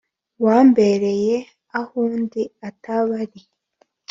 Wambereye ahundi ataba ari